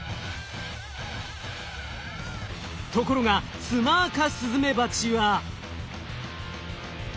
ところがツマアカスズメバチは。